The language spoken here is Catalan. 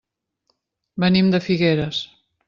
Venim de Figueres.